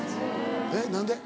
えっ何で？